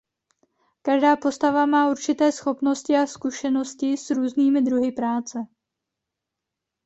Každá postava má určité schopnosti a zkušenosti s různými druhy práce.